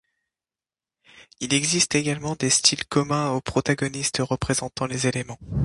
Il existe également des styles communs aux protagonistes représentant les éléments.